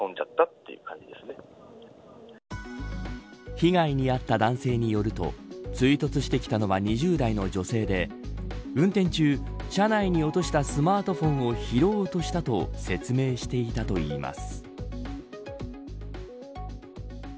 被害に遭った男性によると追突してきたのは２０代の女性で運転中、車内に落としたスマートフォンを拾おうとしたと説明していたといいます。